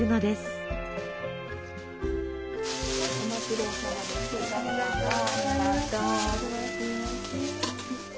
ありがとうございます。